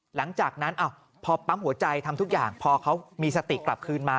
หลังจากนั้นพอปั๊มหัวใจทำทุกอย่างพอเขามีสติกลับคืนมา